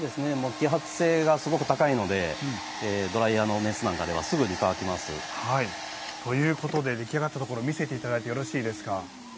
揮発性がすごく高いのでドライヤーの熱なんかではということで出来上がったところ見せていただいてよろしいですか。